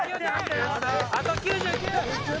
あと９９点。